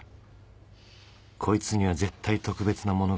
こいつには絶対特別なものがある。